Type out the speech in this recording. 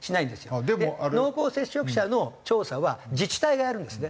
濃厚接触者の調査は自治体がやるんですね。